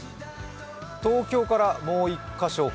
東京からもう１カ所